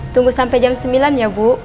tunggu sampai jam sembilan ya bu